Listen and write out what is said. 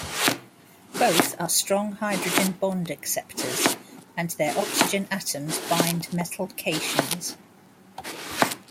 Both are strong hydrogen bond acceptors, and their oxygen atoms bind metal cations.